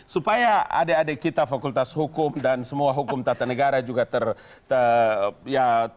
supaya adik adik kita fakultas hukum dan semua hukum tata negara juga terlihat